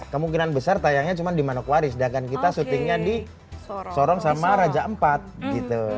kemungkinan besar tayangnya cuma di manokwari sedangkan kita syutingnya di sorong sama raja empat gitu